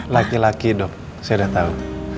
laki laki dok saya udah tau